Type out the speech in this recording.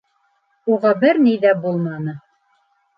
Уға бер ни ҙә булманы.